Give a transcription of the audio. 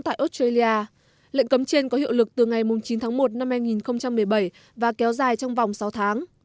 tại australia lệnh cấm trên có hiệu lực từ ngày chín tháng một năm hai nghìn một mươi bảy và kéo dài trong vòng sáu tháng